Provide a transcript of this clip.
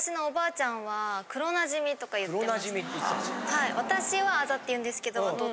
はい私はあざって言うんですけど。